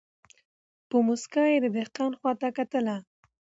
په موسکا یې د دهقان خواته کتله